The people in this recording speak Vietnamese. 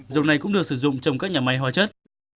dầu này cũng được sử dụng trong các nhà máy hóa chất